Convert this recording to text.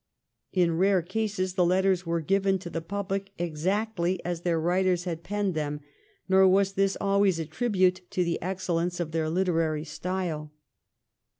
In rare cases the letters were given to the public exactly as their writers had penned them, nor was this always a tribute to the excellence of their literary style.